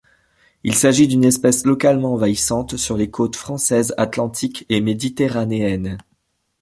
Il s'agit d'une espèce localement envahissante sur les côtes françaises atlantique et méditerranéenne.